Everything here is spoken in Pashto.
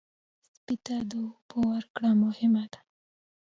سپي ته د اوبو ورکړه مهمه ده.